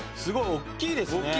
おっきいですね。